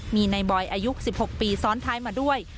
มีในบอยอายุ๑๖ปีซ้อนท้ายมาด้วย